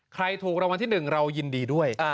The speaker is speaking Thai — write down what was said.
ใครถูกรางวัลที่๑เรายินดีด้วย